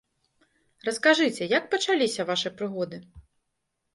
Раскажыце, як пачаліся вашы прыгоды?